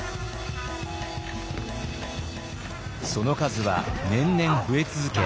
その数は年々増え続け